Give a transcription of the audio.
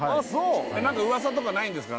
何か噂とかないんですか？